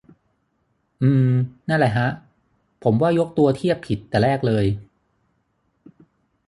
อือ นั่นแหละฮะ ผมว่ายกตัวเทียบผิดแต่แรกเลย